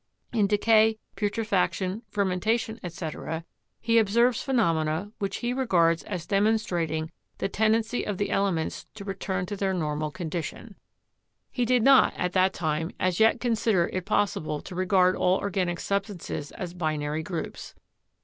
In decay, putrefaction, fermentation, etc., he observes phe nomena which he regards as demonstrating the tendency of the elements to return to their normal condition. He 228 CHEMISTRY did not, at that time, as yet consider it possible to regard all organic substances as binary groups.